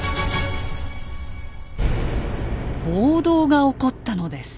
暴動が起こったのです。